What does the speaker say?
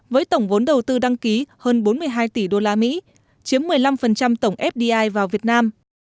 với tổng vốn đầu tư đăng ký hơn bốn mươi hai tỷ usd chiếm một mươi năm tổng fdi vào việt nam